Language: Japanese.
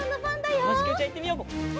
よしきほちゃんいってみよう！